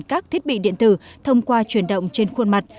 các thiết bị điện tử thông qua chuyển động trên khuôn mặt